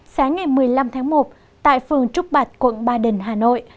sáng ngày một mươi năm tháng một tại phường trúc bạch quận ba đình hà nội